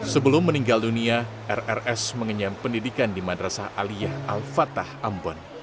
sebelum meninggal dunia rrs mengenyam pendidikan di madrasah aliyah al fatah ambon